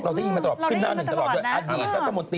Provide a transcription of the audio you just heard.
เราได้ยินมาตลอดนะเราได้ยินมาตลอดนะครึ่งท่านบุญตรัฐมนตรี